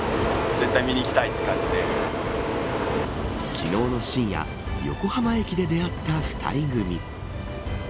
昨日の深夜横浜駅で出会った２人組。